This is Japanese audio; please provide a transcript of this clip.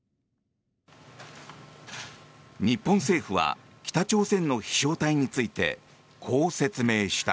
日本政府は北朝鮮の飛翔体についてこう説明した。